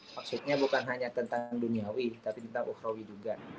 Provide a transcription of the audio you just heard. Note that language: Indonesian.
maksudnya bukan hanya tentang duniawi tapi kita ukhrawi juga